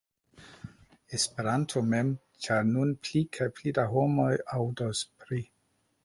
Esperanto mem, ĉar nun pli kaj pli da homoj aŭdos pri